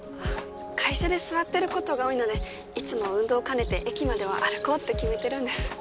会社で座ってることが多いのでいつも運動を兼ねて駅までは歩こうって決めてるんです。